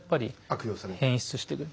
悪用されていく。